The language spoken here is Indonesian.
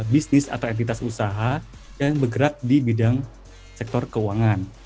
bisnis atau entitas usaha yang bergerak di bidang sektor keuangan